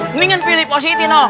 mendingan pilih positif no